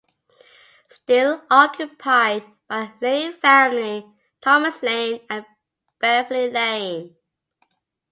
Still occupied by the Laine family; Thomas Laine and Beverly Laine.